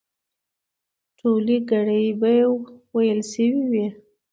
ټولې ګړې به وېل سوې وي.